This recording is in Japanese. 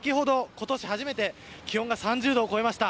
今年初めて気温が３０度を超えました。